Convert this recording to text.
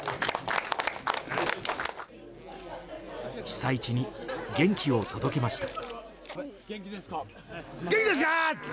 被災地に元気を届けました。